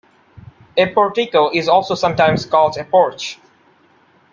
A portico is also sometimes called a porch.